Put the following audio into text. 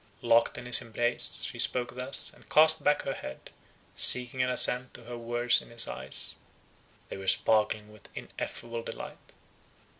Locked in his embrace, she spoke thus, and cast back her head, seeking an assent to her words in his eyes—they were sparkling with ineffable delight.